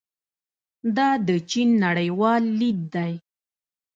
دا د چین نړیوال لید دی.